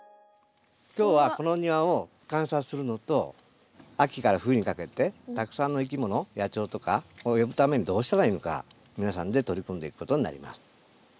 今日はこの庭を観察するのと秋から冬にかけてたくさんのいきもの野鳥とかを呼ぶためにどうしたらいいのか皆さんで取り組んでいくことになります。